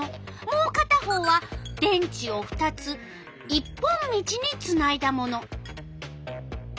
もうかた方は電池を２つ一本道につないだもの。